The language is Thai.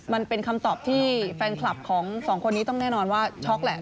มันเป็นคำตอบที่แฟนคลับของสองคนนี้ต้องแน่นอนว่าช็อกแหละ